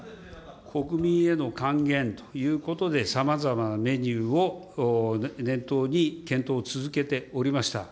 国民への還元ということでさまざまなメニューを念頭に検討を続けておりました。